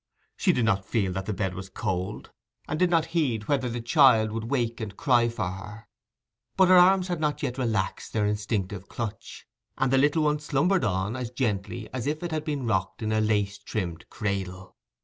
She did not feel that the bed was cold, and did not heed whether the child would wake and cry for her. But her arms had not yet relaxed their instinctive clutch; and the little one slumbered on as gently as if it had been rocked in a lace trimmed cradle.